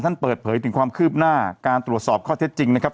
เปิดเผยถึงความคืบหน้าการตรวจสอบข้อเท็จจริงนะครับ